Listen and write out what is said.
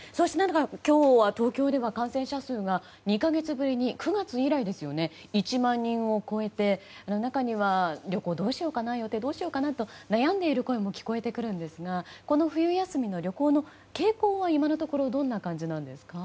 今日は東京では感染者数が２か月ぶりに９月以来に１万人を超えて中には旅行や予定どうしようかなと悩んでいる声も聞こえてくるんですがこの冬休みの旅行の傾向は今のところどんな感じなんですか。